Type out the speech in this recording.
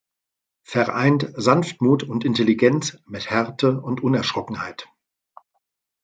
Vereint Sanftmut und Intelligenz mit Härte und Unerschrockenheit.